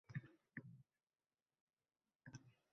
kelmasa – bebaho davri kuyadi.